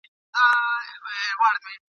توبه ګار چي له توبې یم چي پرهېز یم له ثوابه !.